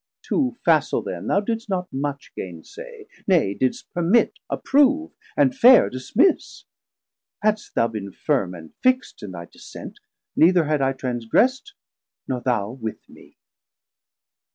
Too facil then thou didst not much gainsay, Nay, didst permit, approve, and fair dismiss. Hadst thou bin firm and fixt in thy dissent, 1160 Neither had I transgress'd, nor thou with mee.